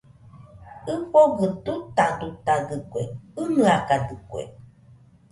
ɨfogɨ dutadutadɨkue, ɨnɨakadɨkue